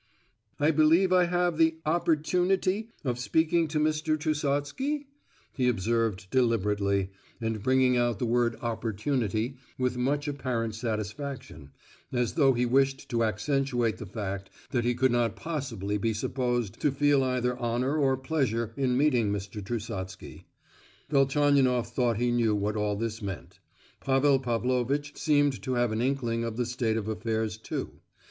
"I believe I have the opportunity of speaking to Mr. Trusotsky?" he observed deliberately, and bringing out the word opportunity with much apparent satisfaction, as though he wished to accentuate the fact that he could not possibly be supposed to feel either honour or pleasure in meeting Mr. Trusotsky. Velchaninoff thought he knew what all this meant; Pavel Pavlovitch seemed to have an inkling of the state of affairs, too.